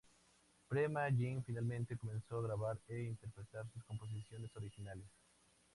Prema Yin finalmente comenzó a grabar e interpretar sus composiciones originales.